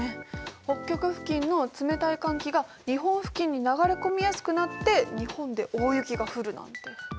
北極付近の冷たい寒気が日本付近に流れ込みやすくなって日本で大雪が降るなんて。